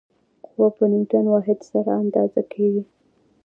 قوه په نیوټن واحد سره اندازه کېږي.